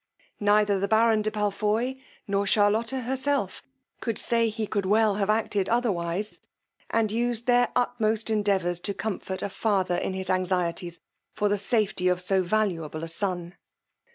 Neither the baron de Palfoy, nor Charlotta herself, could say he could well have acted otherwise, and used their utmost endeavours to comfort a father in his anxieties for the safety of so valuable a son.